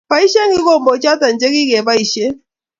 boishen kigombochoto chigogeboishen